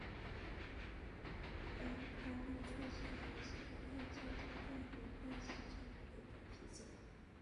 挪威国王奥拉夫二世的妻子阿斯特里德是厄蒙德的同父同母妹妹。